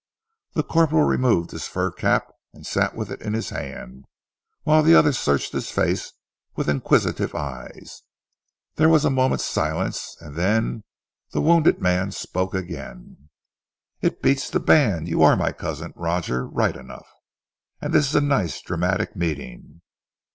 The corporal removed his fur cap, and sat with it in his hand, whilst the other searched his face with inquisitive eyes. There was a moment's silence, and then the wounded man spoke again. "It beats the band. You are my cousin Roger right enough, and this is a nice dramatic meeting.